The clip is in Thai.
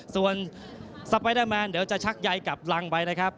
ส่วนสไปเดอร์แมนเดี๋ยวจะชักใยกลับรังไปนะครับ